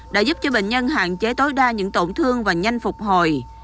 đã giúp cho bệnh nhân hạn chế tối đa những tổn thương và nhanh phục hồi